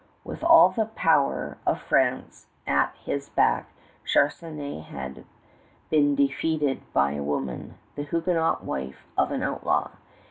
With all the power of France at his back Charnisay had been defeated by a woman, the Huguenot wife of an outlaw!